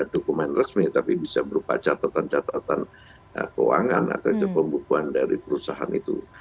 dokumen resmi tapi bisa berupa catatan catatan keuangan atau pembukuan dari perusahaan itu